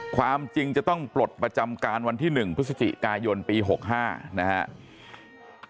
ความจริงจะต้องปลดประจำการวันที่๑พฤศจิกายนปี๖๕นะครับ